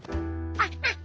アッハハ。